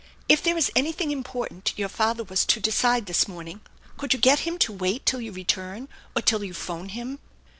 If there is anything important your father was to decide this morn ing, could you get him to wait till you return, or till you phone him?"